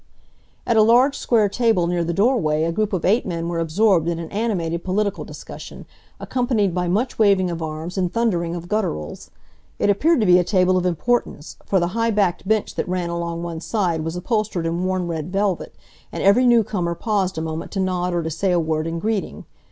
At a large square table near the doorway a group of eight men were absorbed in an animated political discussion, accompanied by much waving of arms, and thundering of gutturals. It appeared to be a table of importance, for the high backed bench that ran along one side was upholstered in worn red velvet, and every newcomer paused a moment to nod or to say a word in greeting.